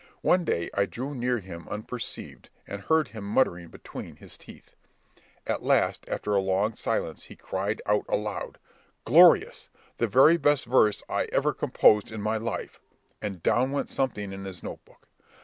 One day I drew near him unperceived, and heard him muttering between his teeth. At last, after a long silence, he cried out aloud, "Glorious! The very best verse I ever composed in my life!" and down went something in his note book.